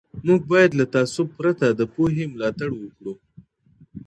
موږ باید له تعصب پرته د پوهي ملاتړ وکړو.